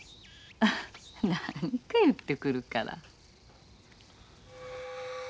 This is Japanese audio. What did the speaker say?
ハッ何か言ってくるから。